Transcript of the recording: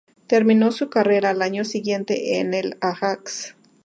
Terminó su carrera al año siguiente en el Ajax.